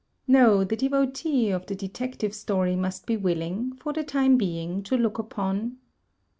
No, the devotee of the Detective Story must be willing, for the time being, to look upon 2.